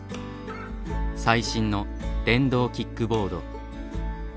最新の電動キックボード。